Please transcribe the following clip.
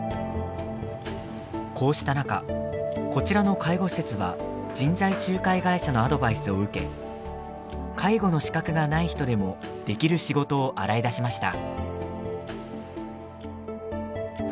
こうした中こちらの介護施設は人材仲介会社のアドバイスを受け介護の資格がない人でもできる仕事を洗い出しました。